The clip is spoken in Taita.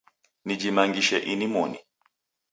Nijimangishe inimoni